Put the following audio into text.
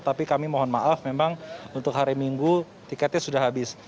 tapi kami mohon maaf memang untuk hari minggu tiketnya sudah habis